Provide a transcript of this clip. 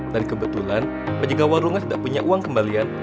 dan kebetulan penjaga warungnya tidak punya uang kembalian